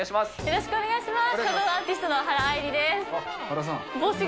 よろしくお願いします。